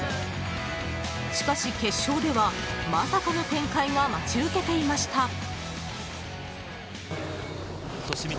しかし決勝では、まさかの展開が待ち受けていました。